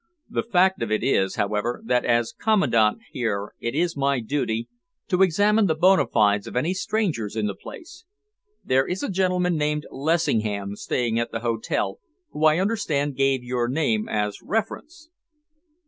"The fact of it is, however, that as Commandant here it is my duty to examine the bona fides of any strangers in the place. There is a gentleman named Lessingham staying at the hotel, who I understand gave your name as reference."